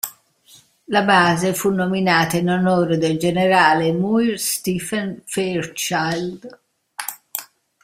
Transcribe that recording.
La base fu nominata in onore del generale Muir Stephen Fairchild.